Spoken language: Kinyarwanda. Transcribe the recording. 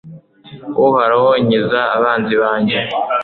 uhoraho, nkiza abanzi banjye